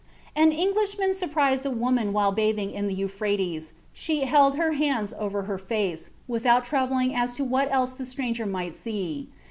"An Englishman surprised a woman while bathing in the Euphrates; she held her hands over her face, without troubling as to what else the stranger might see.